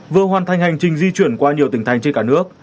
vừa hoàn thành hành trình di chuyển qua nhiều tỉnh thành trên cả nước